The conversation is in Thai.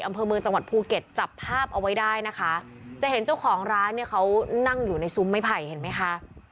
อำเภอเมืองจังหวัดภูเก็ตจับภาพเอาไว้ได้นะคะจะเห็นเจ้าของร้านเนี่ยเขานั่งอยู่ในซุ้มไม้ไผ่เห็นไหมคะ